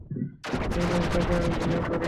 এই নামটাকে আমি ঘৃণা করি!